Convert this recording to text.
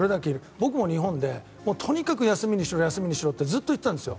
僕も日本でとにかく休みにしろってずっと言ってたんですよ。